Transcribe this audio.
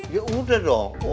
ya udah dong